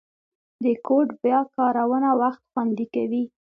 د کوډ بیا کارونه وخت خوندي کوي.